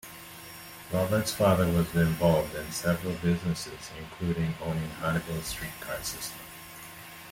Roberts father was involved in several businesses, including owning Hannibal's streetcar system.